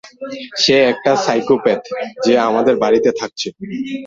সে একটা সাইকোপ্যাথ যে আমাদের বাড়িতে থাকছে।